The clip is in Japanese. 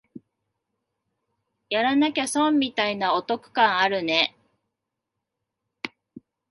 やらなきゃ損みたいなお得感あるね